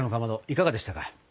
いかがでしたか？